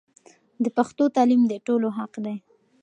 د پښتو تعلیم د ټولو حق دی.